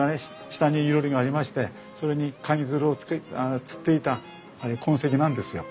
下に囲炉裏がありましてそれにかぎ蔓をつっていた痕跡なんですよ。